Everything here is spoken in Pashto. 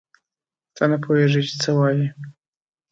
ته نه پوهېږې چې څه وایې.